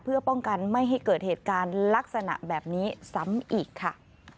เพื่อป้องกันไม่ให้เกิดเหตุการณ์ลักษณะแบบนี้ซ้ำอีกค่ะ